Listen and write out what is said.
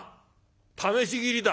試し斬りだ。